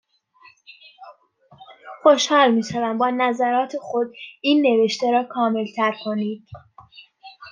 خوشحال میشوم با نظرات خود، این نوشته را کاملتر کنید.